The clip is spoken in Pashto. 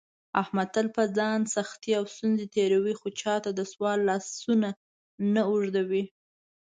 احمد تل په ځان سختې او ستونزې تېروي، خو چاته دسوال لاسونه نه اوږدوي.